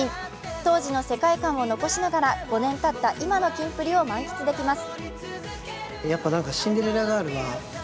当時の世界観を残しながら５年たった今のキンプリを満喫できます。